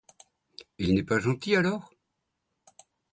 Il n'est pas gentil, alors?